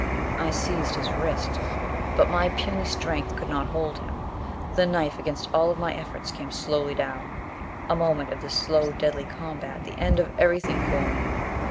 I seized his wrist. But my puny strength could not hold him. The knife, against all of my efforts, came slowly down. A moment of this slow, deadly combat the end of everything for me.